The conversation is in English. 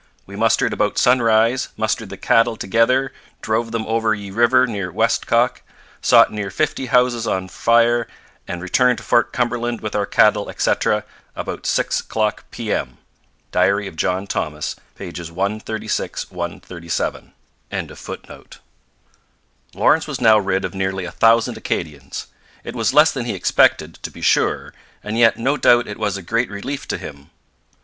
we mustered about Sunrise mustered the Cattle Togather Drove them over ye River near westcock Sot Near 50 Houses on Fyre and Returned to Fort Cumberland with our Cattle etc. about 6 Clock P.M.' Diary of John Thomas, pp. 136 7.] Lawrence was now rid of nearly a thousand Acadians. It was less than he expected, to be sure, and yet no doubt it was a great relief to him.